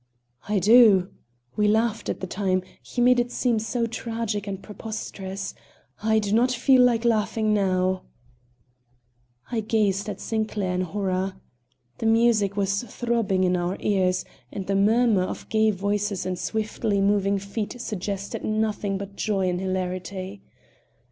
"I do. We laughed at the time; he made it seem so tragic and preposterous. I do not feel like laughing now." I gazed at Sinclair in horror. The music was throbbing in our ears, and the murmur of gay voices and swiftly moving feet suggested nothing but joy and hilarity.